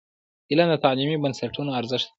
علم د تعلیمي بنسټونو ارزښت لوړوي.